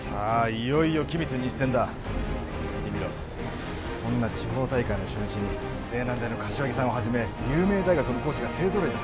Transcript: いよいよ君津西戦だ見てみろこんな地方大会の初日に青南大の柏木さんをはじめ有名大学のコーチが勢ぞろいだ